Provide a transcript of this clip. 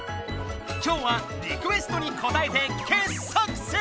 今日はリクエストにこたえて傑作選！